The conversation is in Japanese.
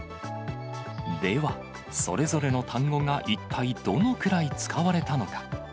では、それぞれの単語が一体、どのくらい使われたのか。